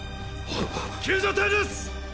救助隊です！